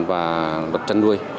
và luật trăn nuôi